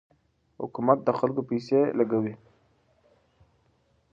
حکومت د خلکو پیسې لګوي.